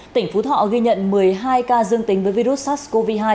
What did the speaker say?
tỉnh phú thọ ghi nhận một mươi hai ca dương tính với virus sars cov hai